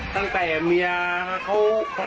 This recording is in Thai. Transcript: มาที่แก่ตอบ